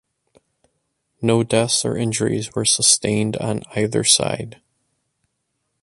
No deaths or injuries were sustained on either side.